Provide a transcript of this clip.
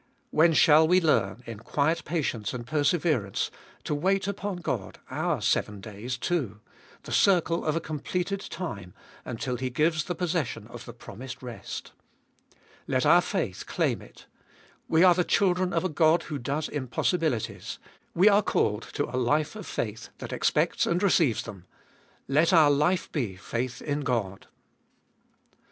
When shall we learn, in quiet patience and perseverance, to wait upon God our seven days too, the circle of a completed time, until He gives the possession of the promised rest. Let our faith claim it ; we are the children of a God who does impossibilities ; we are called to a life of faith that expects and receives them. Let our life be — faith in God.